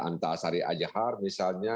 ada sari ajahar misalnya